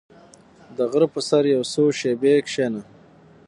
• د غره پر سر یو څو شېبې کښېنه.